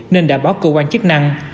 nên đã báo cơ quan chức năng